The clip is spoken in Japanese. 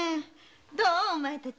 どうお前たち？